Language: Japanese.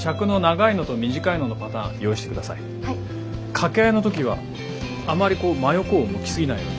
掛け合いの時はあまり真横を向き過ぎないように。